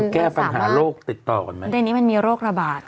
แก้ปัญหาโรคติดต่อก่อนไหมเดี๋ยวนี้มันมีโรคระบาด